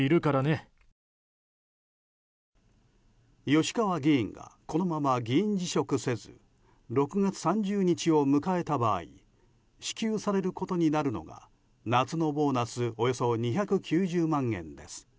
吉川議員がこのまま議員辞職せず６月３０日を迎えた場合支給されることになるのが夏のボーナスおよそ２９０万円です。